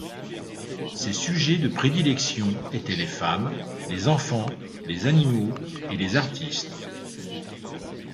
Ses sujets de prédilection étaient les femmes, les enfants, les animaux et les artistes.